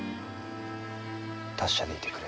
達者でいてくれ。